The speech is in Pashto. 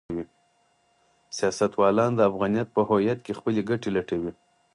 سیاستوالان د افغانیت په هویت کې خپلې ګټې لټوي.